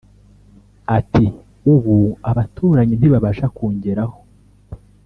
Ati “ Ubu abaturanyi ntibabasha kungeraho